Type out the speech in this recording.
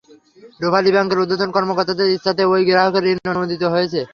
রূপালী ব্যাংকের ঊর্ধ্বতন কর্মকর্তাদের ইচ্ছাতেই ওই গ্রাহকের ঋণ অনুমোদিত হয়েছে।